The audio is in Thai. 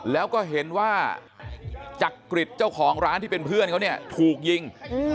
แล้วก็เห็นว่าจักริจเจ้าของร้านที่เป็นเพื่อนเขาเนี่ยถูกยิง